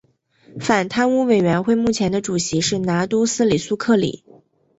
反贪污委员会目前的主席是拿督斯里苏克里。